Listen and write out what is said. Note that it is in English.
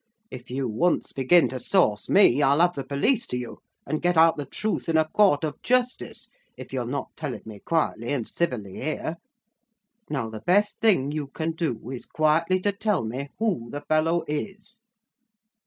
If you once begin to sauce me, I'll have the police to you, and get out the truth in a court of justice, if you'll not tell it me quietly and civilly here. Now the best thing you can do is quietly to tell me who the fellow is.